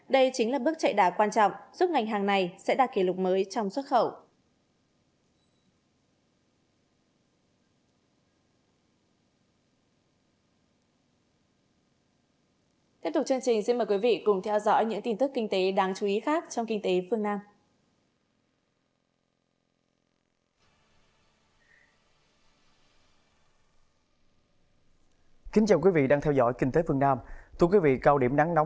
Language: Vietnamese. đây chính là bước chạy đá quan trọng giúp ngành hàng này sẽ đạt kỷ lục mới trong xuất khẩu